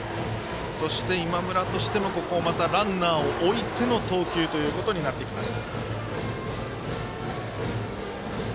そして、今村としてもここをまた、ランナーを置いての投球ということになってきます。